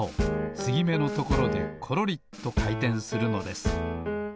つぎめのところでコロリとかいてんするのです。